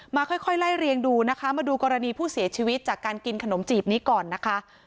ค่อยไล่เรียงดูนะคะมาดูกรณีผู้เสียชีวิตจากการกินขนมจีบนี้ก่อนนะคะ